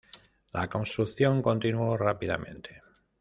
La construcción continuo rápidamente.